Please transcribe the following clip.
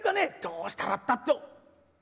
「どうしたらったって。